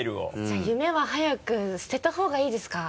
じゃあ夢は早く捨てた方がいいですか？